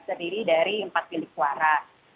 jadi dari empat milik suara